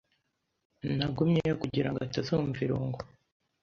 Nagumyeyo kugirango atazumva irungu.